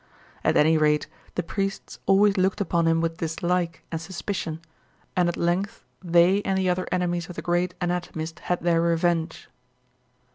At any rate, the priests always looked upon him with dislike and suspicion, and at length they and the other enemies of the great anatomist had their revenge.